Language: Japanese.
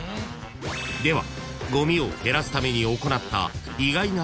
［では］